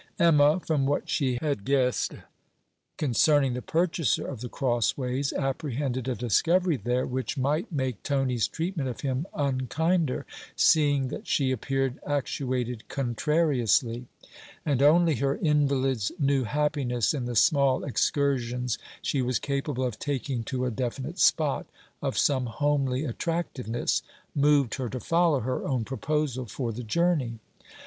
Emma, from what she had guess concerning the purchaser of The Crossways, apprehended a discovery there which might make Tony's treatment of him unkinder, seeing that she appeared actuated contrariously; and only her invalid's new happiness in the small excursions she was capable of taking to a definite spot, of some homely attractiveness, moved her to follow her own proposal for the journey.